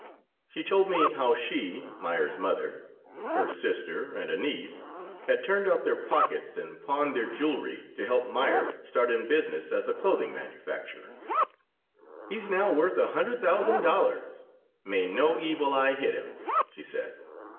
She told me how she, Meyer's mother, her sister, and a niece had turned out their pockets and pawned their jewelry to help Meyer start in business as a clothing manufacturer "He's now worth a hundred thousand dollars may no evil eye hit him," she said.